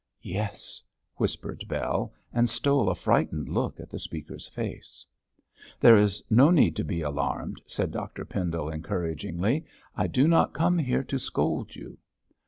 'Yes,' whispered Bell, and stole a frightened look at the speaker's face. 'There is no need to be alarmed,' said Dr Pendle, encouragingly. 'I do not come here to scold you.'